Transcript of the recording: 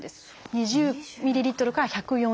２０ｍＬから１４０ｍＬ。